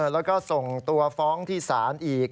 แล้วก็ส่งตัวฟ้องที่ศาลอีก